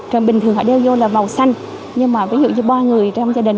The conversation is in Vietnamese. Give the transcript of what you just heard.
rồi bình thường họ đeo vô là màu xanh nhưng mà ví dụ như ba người trong gia đình